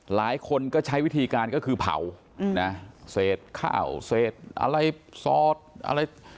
หลายคนก็ใช้วิธีการก็คือเผานะเศษข้าวเศษอะไรซอสอะไร